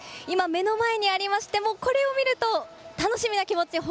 今、目の前にありましてもこれを見ると楽しみな気持ち